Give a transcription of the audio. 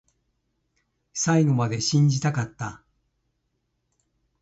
最後まで信じたかった